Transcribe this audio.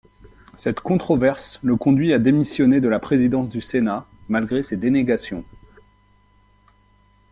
Cette controverse le conduit à démissionner de la présidence du Sénat, malgré ses dénégations.